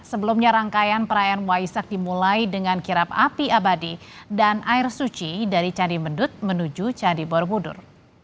sebelumnya rangkaian perayaan waisak dimulai dengan kirap api abadi dan air suci dari candi mendut menuju candi borobudur